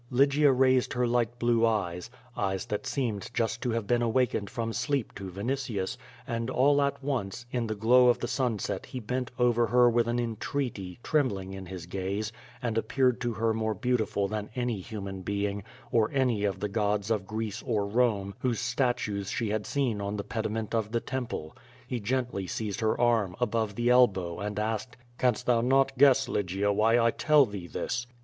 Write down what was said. Ly gia raised her light blue eyes— eyes that seemed just to have been awakened from sleep to Vinitius, and all at once^ in the glow of the sunset he bent over her i^ithanentreatytrembling in his gaze, and appeared to her more beautiful than any human Deing, or any of the gods of Greece or Borne whose QUO VADIi^. 31 statues she had seen on the pediment of the temple. lie gently seized her arm, above the elbow, and asked: "Canst thou not guess, Lygia, Avhy I tell thee this?"